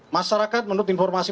masyarakat menurut informasi